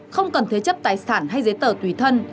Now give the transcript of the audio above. không cần thế chấp tài sản hay giấy tờ tùy thân